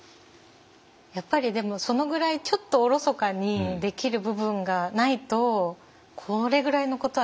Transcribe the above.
やっぱりでもそのぐらいちょっとおろそかにできる部分がないとこれぐらいのことはできない。